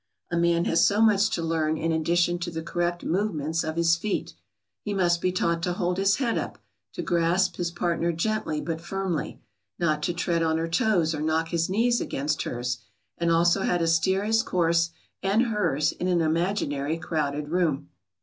A man has so much to learn in addition to the correct movements of his feet. He must be taught to hold his head up, to grasp his partner gently but firmly, not to tread on her toes or knock his knees against hers, and also how to steer his course and hers in an imaginary crowded room.